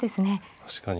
確かに。